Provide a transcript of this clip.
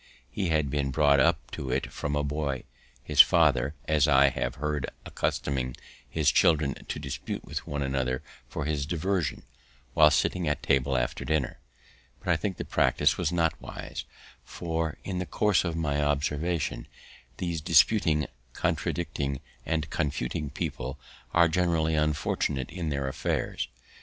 He had been brought up to it from a boy, his father, as I have heard, accustoming his children to dispute with one another for his diversion, while sitting at table after dinner; but I think the practice was not wise; for, in the course of my observation, these disputing, contradicting, and confuting people are generally unfortunate in their affairs.